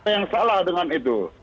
yang salah dengan itu